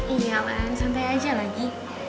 iya santai aja lagi